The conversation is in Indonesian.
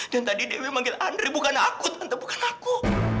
dan tadi dewi panggil andre bukan aku tante bukan aku